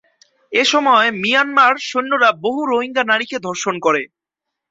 এসময় মিয়ানমার সৈন্যরা বহু রোহিঙ্গা নারীকে ধর্ষণ করে।